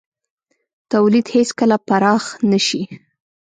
تولید هېڅکله پراخ نه شي.